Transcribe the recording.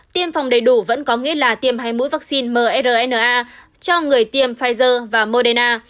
tiêm phòng đầy đủ vẫn có nghĩa là tiêm hay mũi vaccine mrna cho người tiêm pfizer và moderna